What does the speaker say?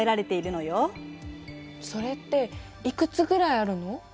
それっていくつぐらいあるの？